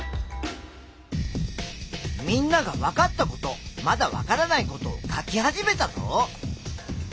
みんながわかったことまだわからないことを書き始めたぞ。